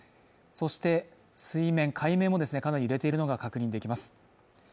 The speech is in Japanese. そして海面もかなり揺れているのが確認できます